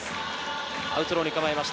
アウトローに構えました。